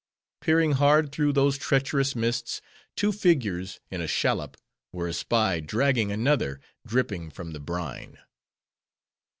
Peering hard through those treacherous mists, two figures in a shallop, were espied; dragging another, dripping, from the brine.